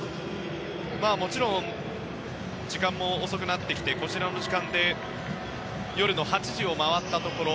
もちろん、時間も遅くなってきてこちらの時間で夜の８時を回ったところ。